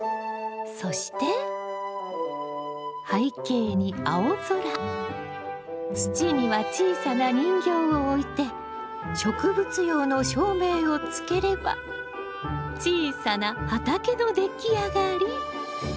そして背景に青空土には小さな人形を置いて植物用の照明をつければ小さな畑の出来上がり！